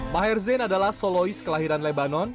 maher zen adalah soloist kelahiran lebanon